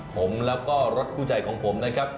ผมแล้วก็รถคู่ใจของผมนะครับ